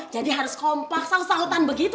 jadi harus kompak saut sautan begitu